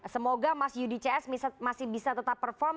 semoga mas udcs masih bisa tetap perform